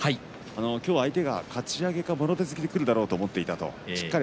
今日は相手がかち上げもろ手突きでくるだろうと思っていたししっかり